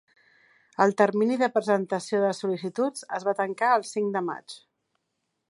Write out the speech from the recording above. El termini de presentació de sol·licituds es va tancar el cinc de maig.